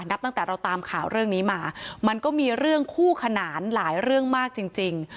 ตั้งแต่เราตามข่าวเรื่องนี้มามันก็มีเรื่องคู่ขนานหลายเรื่องมากจริง